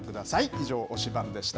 以上、推しバン！でした。